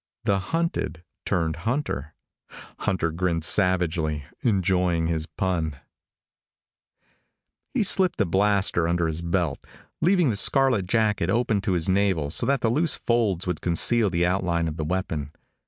The hunted turned hunter. Hunter grinned savagely, enjoying his pun. He slipped the blaster under his belt, leaving the scarlet jacket open to his navel so that the loose folds would conceal the outline of the weapon.